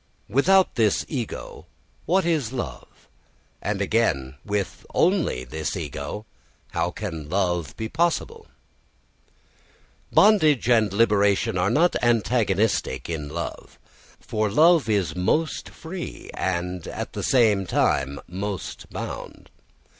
Without this ego what is love? And again, with only this ego how can love be possible? Bondage and liberation are not antagonistic in love. For love is most free and at the same time most bound.